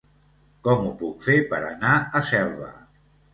Com ho puc fer per anar a Selva?